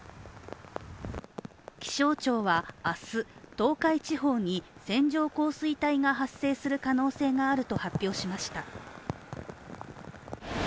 気象庁は明日、東海地方に線状降水帯が発生する可能性があると発表しました。